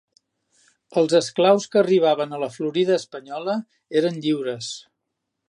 Els esclaus que arribaven a la Florida espanyola eren lliures.